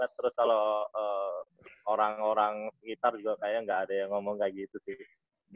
terus kalau orang orang sekitar juga kayaknya gak ada yang ngomong kayak gitu sih